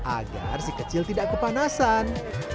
agar si kecil tidak kepanasan